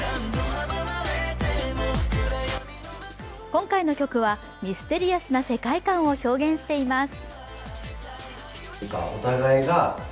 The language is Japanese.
今回の曲はミステリアスな世界観を表現しています。